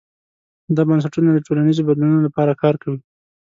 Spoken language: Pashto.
دا بنسټونه د ټولنیزو بدلونونو لپاره کار کوي.